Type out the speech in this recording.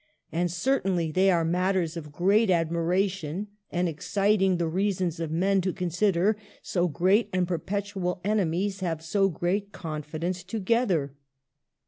And certeinly they are matters of grete admira cion and exciding the reasons of men to con sider, so grete and perpetual enemies have so grete confidence together."